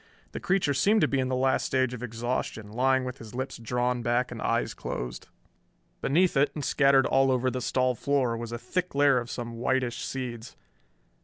The creature seemed to be in the last stage of exhaustion, lying with lips drawn back and eyes closed. Beneath it and scattered all over the stall floor was a thick layer of some whitish seeds.